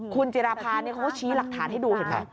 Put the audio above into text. คุณจิราภาเขาก็ชี้หลักฐานให้ดูเห็นไหม